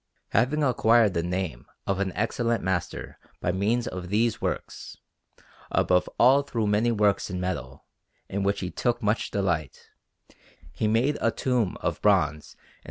Having acquired the name of an excellent master by means of these works, above all through many works in metal, in which he took much delight, he made a tomb of bronze in S.